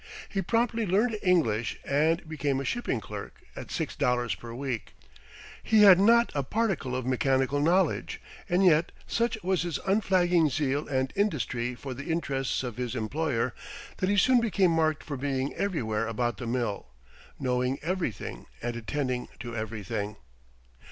He promptly learned English and became a shipping clerk at six dollars per week. He had not a particle of mechanical knowledge, and yet such was his unflagging zeal and industry for the interests of his employer that he soon became marked for being everywhere about the mill, knowing everything, and attending to everything.